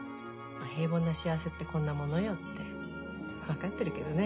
平凡な幸せってこんなものよって分かってるけどね。